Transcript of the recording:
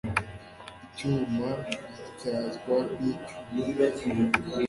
icyuma gityazwa n'icyuma